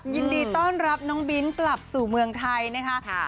ยินดีต้อนรับน้องบิ้นกลับสู่เมืองไทยนะคะ